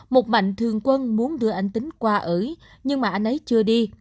một mạnh thường quân muốn đưa anh tính qua ở nhưng mà anh ấy chưa đi